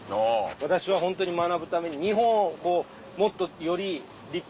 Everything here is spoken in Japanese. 私はホントに学ぶために日本をもっとより立派な国に」。